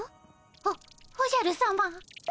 おおじゃるさま。